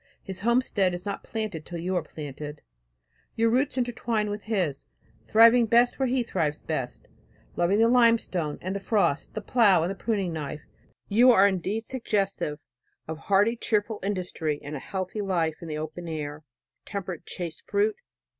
His homestead is not planted till you are planted, your roots intertwine with his; thriving best where he thrives best, loving the limestone and the frost, the plow and the pruning knife, you are indeed suggestive of hardy, cheerful industry, and a healthy life in the open air. Temperate, chaste fruit!